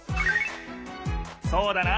そうだな！